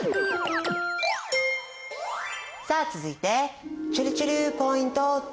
さあ続いてちぇるちぇるポイント２。